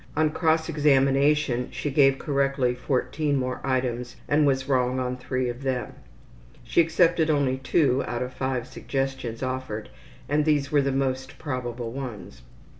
On cross examination she gave correctly 14 more items and was wrong on 3 of them. She accepted only 2 out of 5 suggestions offered and these were the most probable ones.